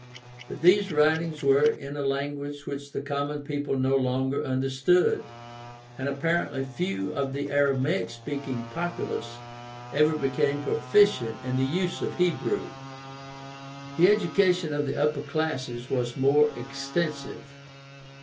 But these writings were in a language which the common people no longer under stood, and apparently few of the Aramaic speaking populace ever became proficient in the use of Hebrew. The education of the upper classes was more extensive.